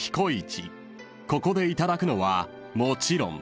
［ここでいただくのはもちろん］